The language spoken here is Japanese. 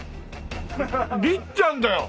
りっちゃんだよ！